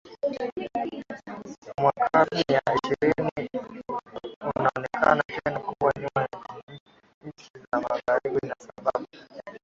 mwa karne ya ishirini ukaonekana tena kuwa nyuma ya nchi za magharibi na sababu